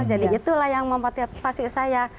jadi itulah yang memotivasi saya